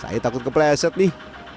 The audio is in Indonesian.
saya takut kepleset nih